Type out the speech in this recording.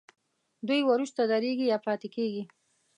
دوی وروسته درېږي یا پاتې کیږي.